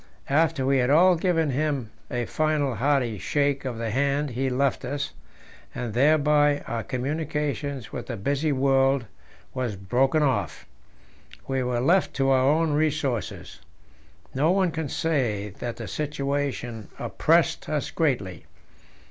After we had all given him a final hearty shake of the hand he left us, and thereby our communication with the busy world was broken off. We were left to our own resources. No one can say that the situation oppressed us greatly.